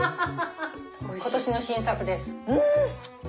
今年の新作です。